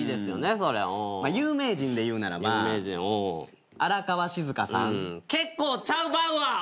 有名人でいうならば荒川静香さん。結構ちゃうバウアー！